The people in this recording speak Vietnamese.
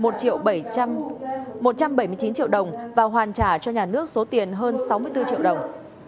một triệu bảy trăm bảy mươi chín triệu đồng và hoàn trả cho nhà nước số tiền hơn sáu mươi bốn triệu đồng